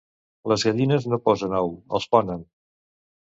Les gallines no posen ous, els ponen